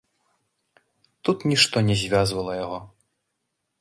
Тут нішто не звязвала яго.